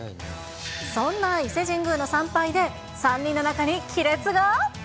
そんな伊勢神宮の参拝で、３人の仲に亀裂が？